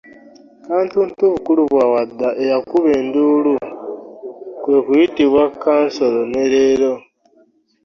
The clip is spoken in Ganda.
Kantuntu Bukulubwawadda eyakuba enduulu kwe kuyitibwa Kasolo ne leero.